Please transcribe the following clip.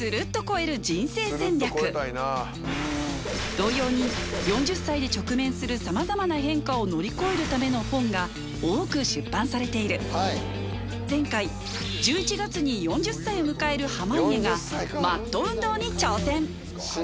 同様に４０歳で直面するさまざまな変化を乗り越えるための本が多く出版されている前回１１月に４０歳を迎える濱家がマット運動に挑戦